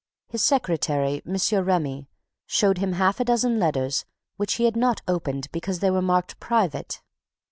His secretary, M. Remy, showed him half a dozen letters which he had not opened because they were marked "private."